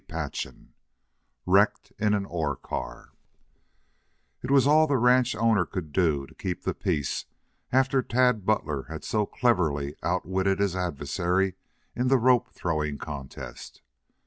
CHAPTER XIX WRECKED IN AN ORE CAR It was all the ranch owner could do to keep peace after Tad Butler had so cleverly outwitted his adversary in the rope throwing contest.